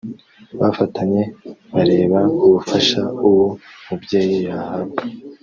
bafatanye barebe ubufasha uwo mubyeyi yahabwa